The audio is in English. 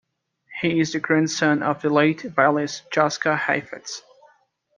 He is the grandson of the late violinist Jascha Heifetz.